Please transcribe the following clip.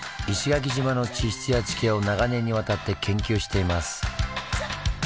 石垣島の地質や地形を長年にわたって研究しています。